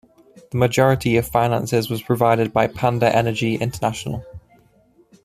The majority of finances was provided by Panda Energy International.